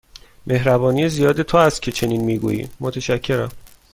مهربانی زیاد تو است که چنین می گویی، متشکرم.